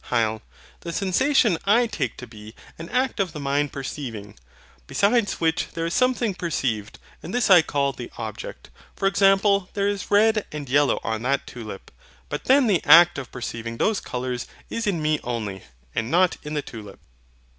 HYL. The sensation I take to be an act of the mind perceiving; besides which, there is something perceived; and this I call the OBJECT. For example, there is red and yellow on that tulip. But then the act of perceiving those colours is in me only, and not in the tulip.